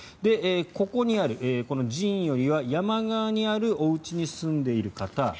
ここにある寺院よりは山側にあるおうちに住んでいる方。